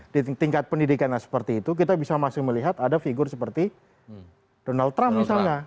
di tingkat pendidikan seperti itu kita bisa masih melihat ada figur seperti donald trump misalnya